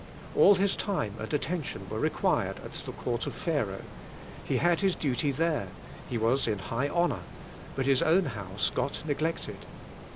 All his time and attention were required at the court of Pharaoh. He had his duty there; he was in high honor; but his own house got neg lected.